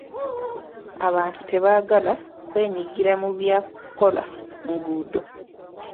Abantu tebaagala kwenyigira mu bya kukola nguudo.